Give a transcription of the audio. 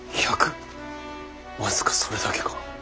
僅かそれだけか？